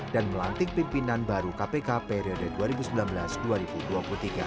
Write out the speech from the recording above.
dan melantik pimpinan baru kpk periode dua ribu sembilan belas dua ribu dua puluh tiga